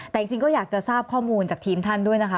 แต่จริงก็อยากจะทราบข้อมูลจากทีมท่านด้วยนะคะ